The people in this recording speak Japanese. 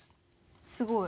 すごい。